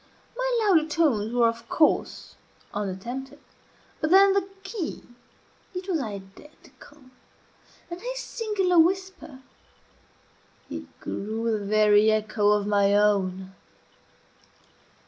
My louder tones were, of course, unattempted, but then the key, it was identical; _and his singular whisper, it grew the very echo of my own.